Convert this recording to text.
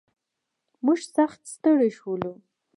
موږ سخت ستړي شولو.